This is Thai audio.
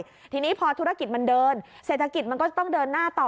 ทีนี้พอธุรกิจมันเดินเศรษฐกิจมันก็จะต้องเดินหน้าต่อ